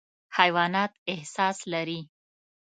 حیوانات احساس لري.